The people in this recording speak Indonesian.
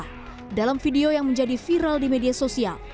ketika dianggap menjadi viral di media sosial